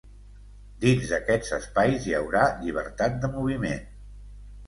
Dins d’aquests espais, hi haurà llibertat de moviment.